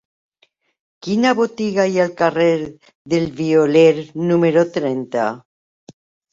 Quina botiga hi ha al carrer del Violer número trenta?